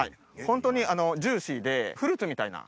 ホントにジューシーでフルーツみたいな。